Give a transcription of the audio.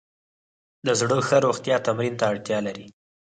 د زړه ښه روغتیا تمرین ته اړتیا لري.